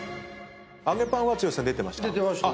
揚げパンは剛さん出てました？